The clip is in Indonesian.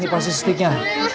eh ini pasti sticknya